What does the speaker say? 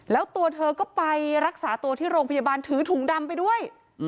แล้วตัวเธอก็ไปรักษาตัวที่โรงพยาบาลถือถุงดำไปด้วย